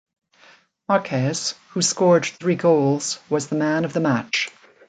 Marques, who scored three goals, was the man of the match.